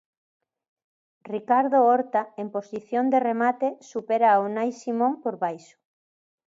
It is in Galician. Ricardo Horta, en posición de remate, supera a Unai Simón por baixo.